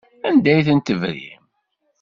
Anda ay tent-tebrim?